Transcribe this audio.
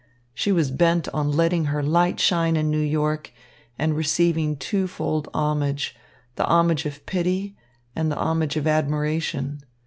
She was bent upon letting her light shine in New York and receiving twofold homage, the homage of pity and the homage of admiration.